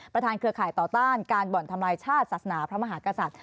เครือข่ายต่อต้านการบ่อนทำลายชาติศาสนาพระมหากษัตริย์